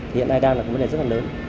hiện nay đang là cái vấn đề rất là lớn